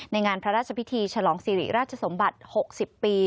งานพระราชพิธีฉลองสิริราชสมบัติ๖๐ปี